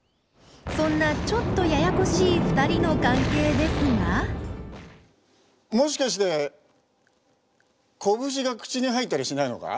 そんなちょっとややこしい２人の関係ですがもしかして拳が口に入ったりしないのか？